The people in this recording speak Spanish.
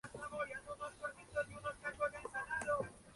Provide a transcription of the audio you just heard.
Lane High School".